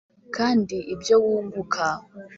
kandi ibyo wunguka